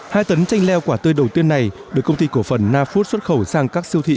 hai tấn chanh leo quả tươi đầu tiên này được công ty cổ phần nafood xuất khẩu sang các siêu thị